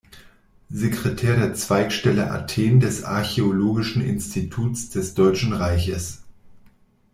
Sekretär der Zweigstelle Athen des Archäologischen Instituts des Deutschen Reiches.